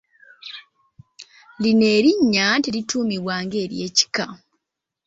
Lino erinnya terituumwa ng’ery’ekika.